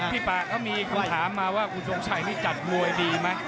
ป่าเขามีคนถามมาว่าคุณทรงชัยนี่จัดมวยดีไหม